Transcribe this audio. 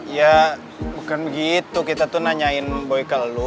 ya bukan begitu kita tuh nanyain boy ke lo